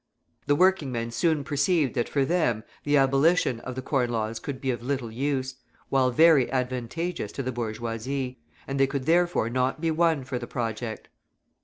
The working men soon perceived that for them the abolition of the Corn Laws could be of little use, while very advantageous to the bourgeoisie; and they could therefore not be won for the project.